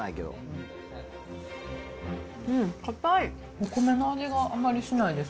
お米の味があまりしないです